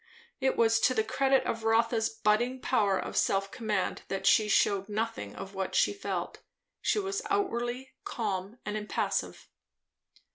It was to the credit of Rotha's budding power of self command that she shewed nothing of what she felt. She was outwardly calm and impassive.